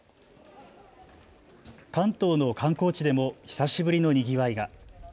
関東の観光地でも久しぶりのにぎわいが。